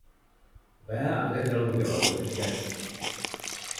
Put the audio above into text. ވައި އަނގަތެޅުމުގެ ވަގުތު ހިނގައްޖެ